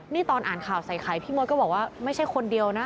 นี่ตอนอ่านข่าวใส่ไข่พี่มดก็บอกว่าไม่ใช่คนเดียวนะ